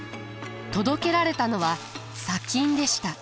届けられたのは砂金でした。